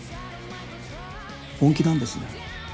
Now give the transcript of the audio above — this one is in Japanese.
本気なんですね。